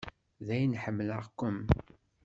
Dayen ḥemmleɣ-kem.